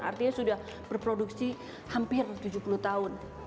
artinya sudah berproduksi hampir tujuh puluh tahun